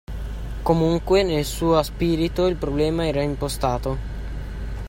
Comunque, nel suo spirito il problema era impostato.